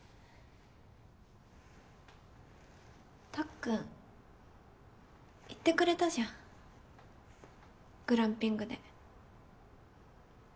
たっくん言ってくれたじゃんグランピングで。